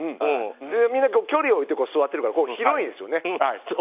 みんな距離を置いて座っているから広いんですよね。